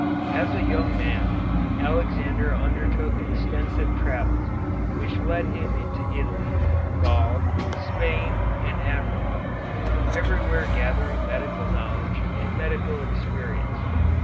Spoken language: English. As a young man, Alexander undertook extensive travels, which led him into Italy, Gaul, Spain, and Africa, everywhere gathering medical knowledge and medical experience.